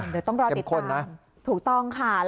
เดี๋ยวต้องรอติดตามถูกต้องค่ะ